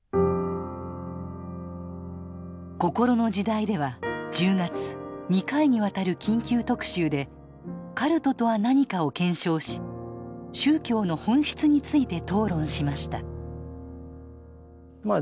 「こころの時代」では１０月２回にわたる緊急特集でカルトとは何かを検証し宗教の本質について討論しましたまあ